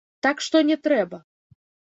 Так што не трэба.